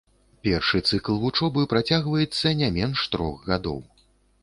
Першы цыкл вучобы працягваецца не менш трох гадоў.